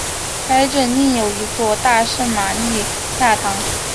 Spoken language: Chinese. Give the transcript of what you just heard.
该镇另有一座大圣马利亚堂。